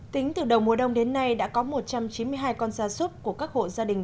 tính từ đầu mùa đông đến nay đã có một trăm chín mươi hai con gia súc của các hộ gia đình